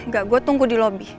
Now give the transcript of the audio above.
gak gue tunggu di lobby